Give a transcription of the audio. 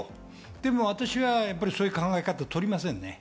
でも、私はそういう考え方とりませんね。